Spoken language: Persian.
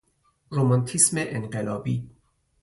رمانتیسم انقلابی